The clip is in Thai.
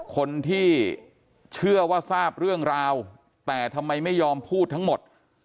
คนที่เชื่อว่าทราบเรื่องราวแต่ทำไมไม่ยอมพูดทั้งหมด